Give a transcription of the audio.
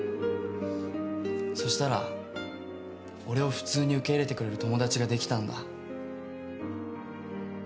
そしたら俺を普通に受け入れてくれる友達ができたんだ。